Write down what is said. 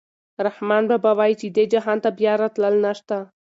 رحمان بابا وايي چې دې جهان ته بیا راتلل نشته.